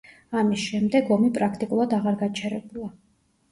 ამის შემდეგ ომი პრაქტიკულად აღარ გაჩერებულა.